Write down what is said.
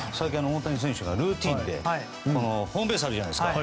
大谷選手がルーティンでホームベースあるじゃないですか